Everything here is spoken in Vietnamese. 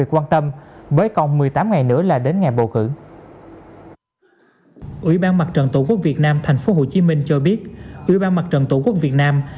của bộ y tế